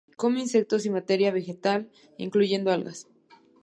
Come insectos y materia vegetal, incluyendo algas.